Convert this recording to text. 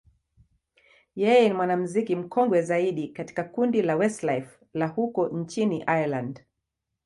yeye ni mwanamuziki mkongwe zaidi katika kundi la Westlife la huko nchini Ireland.